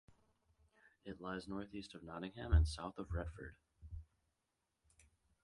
It lies north east of Nottingham and south of Retford.